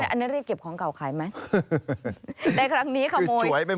อันนั้นเรียกเก็บของเก่าขายไหม